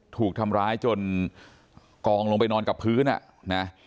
ถูกทำร้ายจนกองลงไปนอนกับพื้นอ่ะนะ